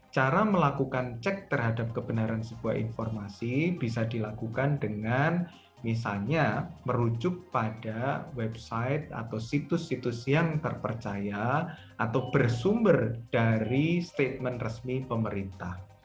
cara melakukan cek terhadap kebenaran sebuah informasi bisa dilakukan dengan misalnya merujuk pada website atau situs situs yang terpercaya atau bersumber dari statement resmi pemerintah